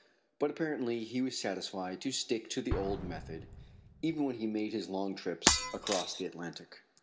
But apparently he was satisfied to stick to the old method, even when he made his long trips across the Atlantic.